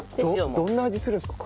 どんな味するんですか？